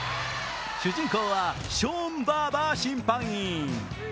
主人公はショーン・バーバー審判員。